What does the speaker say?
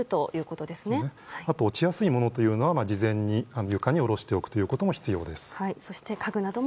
あと、落ちやすいものは事前に床に下ろしておくことも必要です。